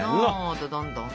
どどんどん。